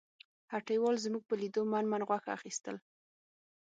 هټیوال زموږ په لیدو من من غوښه اخیستل.